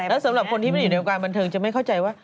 เออสำหรับคนที่มึงอยู่ในบันเทิงจะไม่เข้าใจว่า